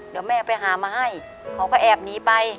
เดี๋ยวแม่ไปหามาให้เขาก็แอบหนีไป